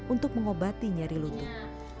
untuk mengobati nyeri luput